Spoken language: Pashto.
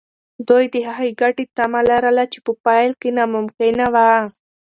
دوی د هغې ګټې تمه لرله چې په پیل کې ناممکنه وه.